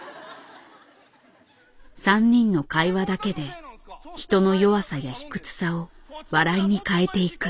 ３人の会話だけで人の弱さや卑屈さを笑いに変えていく。